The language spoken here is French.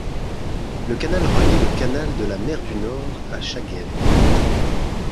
Le canal relie le canal de la Mer du Nord à Schagen.